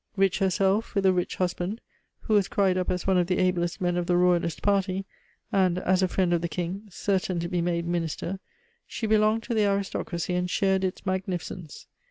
Rich herself, with a rich husband who was cried up as one of the ablest men of the royalist party, and, as a friend of the King, certain to be made Minister, she belonged to the aristocracy, and shared its magnificence.